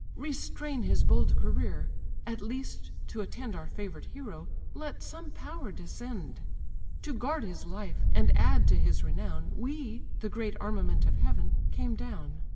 Restrain his bold career; at least, to attend Our favour'd hero, let some power descend. To guard his life, and add to his renown, We, the great armament of heaven, came down.